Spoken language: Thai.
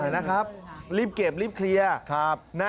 รีบเก็บรีบเคลียร์